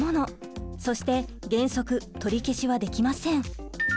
そして原則取り消しはできません。